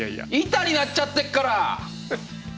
板になっちゃってっから！